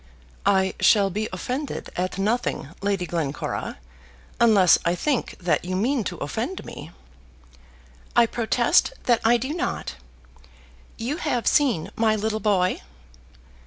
"I shall be offended at nothing, Lady Glencora, unless I think that you mean to offend me." "I protest that I do not. You have seen my little boy."